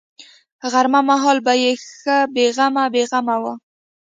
غرمه مهال به ښه بې غمه بې غمه وه.